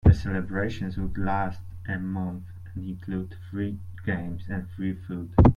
The celebrations would last a month and include free games and free food.